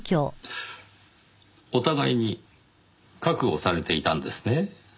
お互いに覚悟されていたんですね。